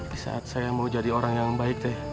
di saat saya mau jadi orang yang baik deh